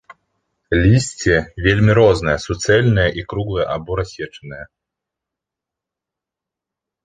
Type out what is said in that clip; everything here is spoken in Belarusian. Лісце вельмі рознае, суцэльнае і круглае або рассечанае.